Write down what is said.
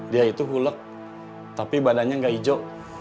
dia itu hulek tapi badannya nggak hijau